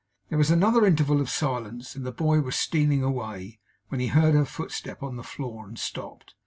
There was another interval of silence; and the boy was stealing away, when he heard her footstep on the floor, and stopped.